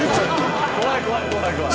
怖い怖い怖い怖い。